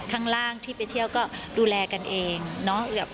ข้างล่างที่ไปเที่ยวก็ดูแลกันเองเนาะ